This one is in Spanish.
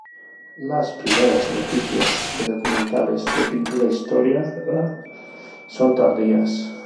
Las primeras noticias documentales de pintura historiada son tardías.